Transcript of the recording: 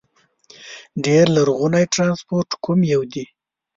ډېر لرغونی ترانسپورت کوم یو دي؟